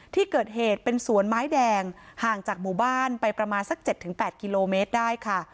ที่เกิดเหตุเป็นสวนไม้แดงห่างจากหมู่บ้านไปประมาณสัก๗๘กิโลเมตรได้ค่ะ